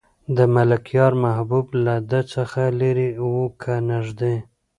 د ملکیار محبوب له ده څخه لرې و که نږدې؟